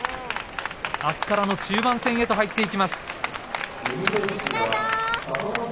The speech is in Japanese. あすからの中盤戦へと入っていきます。